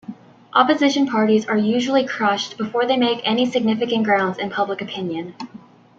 Opposition parties are usually crushed before they make any significant grounds in public opinion.